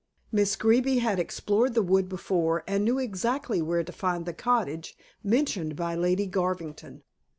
Miss Greeby had explored the wood before and knew exactly where to find the cottage mentioned by Lady Garvington.